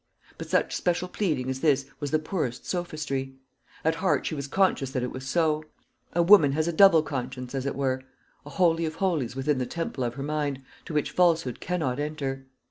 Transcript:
But such special pleading as this was the poorest sophistry; at heart she was conscious that it was so. A woman has a double conscience, as it were a holy of holies within the temple of her mind, to which falsehood cannot enter.